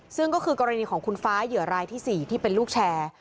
ซึ่งก็คือกรณีของคุณฟ้าเหยื่อรายที่๔ที่เป็นลูกแชร์